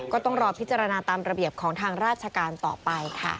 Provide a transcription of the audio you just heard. ก็ต้องรอพิจารณาตามระเบียบของทางราชการต่อไปค่ะ